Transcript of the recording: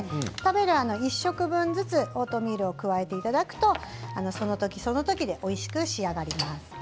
食べる１食分ずつオートミールを加えていただくとそのときそのときでおいしく仕上がります。